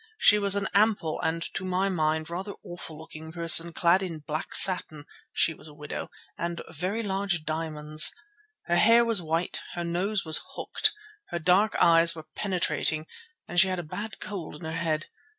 She was an ample and, to my mind, rather awful looking person, clad in black satin—she was a widow—and very large diamonds. Her hair was white, her nose was hooked, her dark eyes were penetrating, and she had a bad cold in her head.